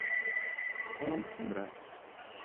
Milan András.